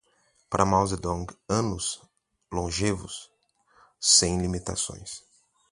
Para Mao Zedong, anos longevos sem limitações